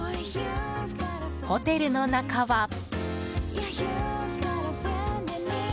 ホテルの中は。